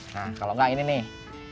nah kalau enggak ini nih